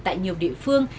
tại nhiều địa phương